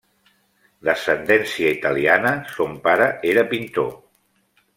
D'ascendència italiana, son pare era pintor.